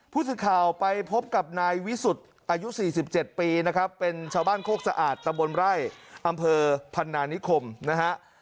ผู้สื่อข่าวไปพบกับนายวิสุทธิ์อายุ๔๗ปีนะครับเป็นชาวบ้านโคกสะอาดตะบนไร่อำเภอพันนานิคมนะฮะ